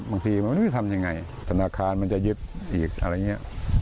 บางทีมันไม่รู้จะทำยังไงธนาคารมันจะยึดอีกอะไรอย่างนี้